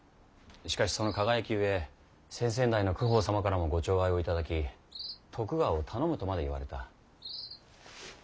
しかしその輝きゆえ先々代の公方様からもご寵愛を頂き「徳川を頼む」とまで言われた。